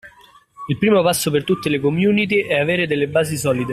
Il primo passo per tutte le community è avere delle basi solide.